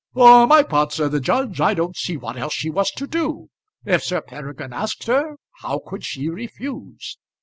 "For my part," said the judge, "I don't see what else she was to do. If Sir Peregrine asked her, how could she refuse?"